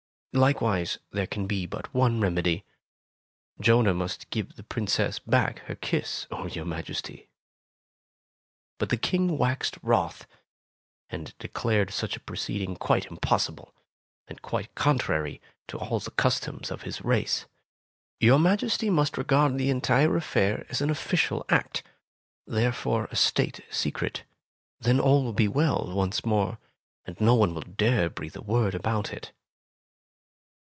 Likewise, there can be but one remedy. J onah must give the Princess back her kiss, O your Majesty!" But the King waxed wroth, and declared such a proceeding quite impossible, and quite contrary to all the customs of his race. ''Your Majesty must regard the entire 70 Tales of Modern Germany affair as an official act, therefore a state secret. Then all will be well, once more, and no one will dare breathe a word about it.